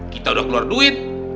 kita udah keluar duit